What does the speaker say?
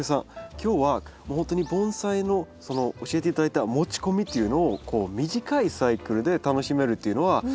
今日はほんとに盆栽の教えて頂いた持ち込みっていうのをこう短いサイクルで楽しめるというのはすごくいいなと思いました。